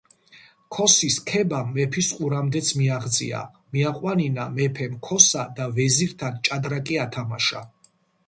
ქოსის ქებამ მეფის ყურამდეც მიაღწია. მიაყვანინა მეფემ ქოსა და ვეზირთან ჭადრაკი ათამაშა.